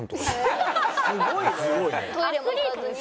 すごいね！